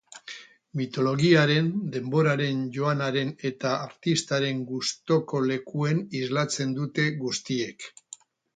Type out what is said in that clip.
Mitologiaren, denboraren joanaren eta artistaren gustoko lekuen islatzen dute guztiek.